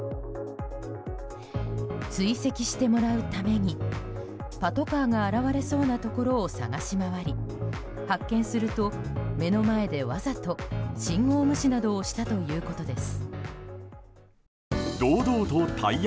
追跡してもらうためにパトカーが現れそうなところを探し回り発見すると、目の前でわざと信号無視などをしたということです。